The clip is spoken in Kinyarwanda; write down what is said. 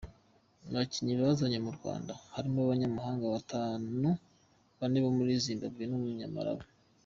Mu bakinnyi yazanye mu Rwanda harimo abanyamahanga batanu, bane bo muri Zimbabwe n’Umunyamalawi.